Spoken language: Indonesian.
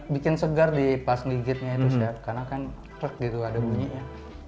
bikin segar di pas gigitnya itu chef karena kan krek gitu ada bunyinya